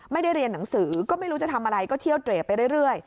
ไม่ได้เรียนหนังสือก็ไม่รู้จะทำอะไรก็เที่ยวเตรไปเรื่อย